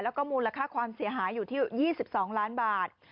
แล้วก็มูลค่าความเสียหายอยู่ที่๒๒ล้านบาท